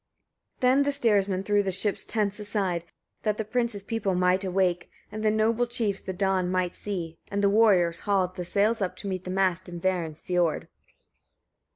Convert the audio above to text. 26. Then the steersman threw the ship's tents aside, that the princes' people might awake, and the noble chiefs the dawn might see; and the warriors hauled the sails up to the mast in Varinsfiord.